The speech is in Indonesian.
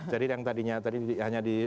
jadi yang tadinya tadi hanya di